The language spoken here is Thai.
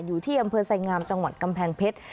อยู่ที่อำเภอไสงามจังหวัดกำแพงเพชร